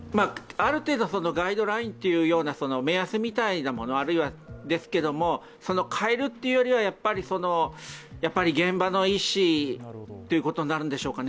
ある程度はガイドラインというような目安みたいなものはあるんですが、変えるっていうよりは、現場の医師ということになるんでしょうかね。